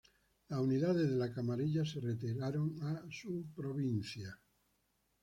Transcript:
Las unidades de la camarilla se retiraron a su provincia.